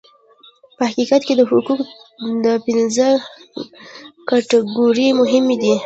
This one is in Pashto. په حقیقت کې د حقوقو دا پنځه کټګورۍ مهمې دي.